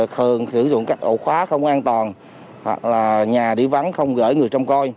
thường sử dụng các ổ khóa không an toàn hoặc là nhà đi vắng không gửi người trong coi